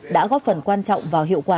đã góp phần quan trọng vào hiệu quả